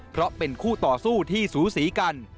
เพราะเป็นคู่ต่อสู้ที่สูสีกัน